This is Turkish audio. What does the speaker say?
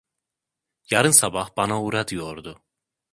Yarın sabah bana uğra diyordu.